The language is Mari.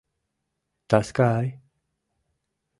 — Таскай!..